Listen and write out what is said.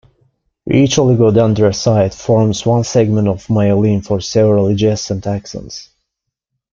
Each oligodendrocyte forms one segment of myelin for several adjacent axons.